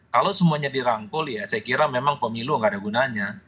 kalau semuanya dirangkul ya saya kira memang pemilu gak ada gunanya